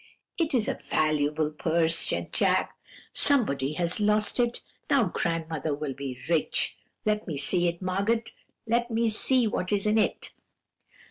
"'It is a valuable purse,' said Jacques; 'somebody has lost it; now grandmother will be rich! Let me see it, Margot; let me see what is in it.'